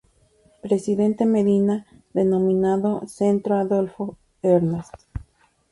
Presidente Medina denominado Centro Adolf Ernst.